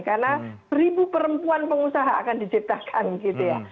karena satu perempuan pengusaha akan diciptakan gitu ya